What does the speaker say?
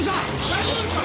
大丈夫ですか？